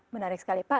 menarik sekali pak